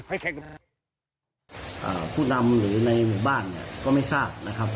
ผู้นำหรือในหมู่บ้านก็ไม่ทราบนะครับ